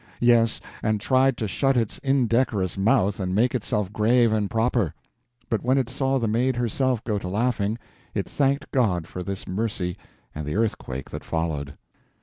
Yes, and tried to shut its indecorous mouth and make itself grave and proper; but when it saw the Maid herself go to laughing, it thanked God for this mercy and the earthquake that followed.